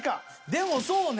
でもそうね。